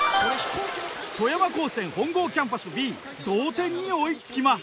富山高専本郷キャンパスＢ同点に追いつきます。